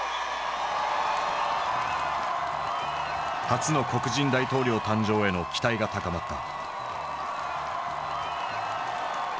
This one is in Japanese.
初の黒人大統領誕生への期待が高まった。